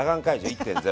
１．０。